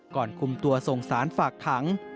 ก่อนคุมตัวส่งสารฝากขัง